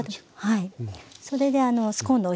はい。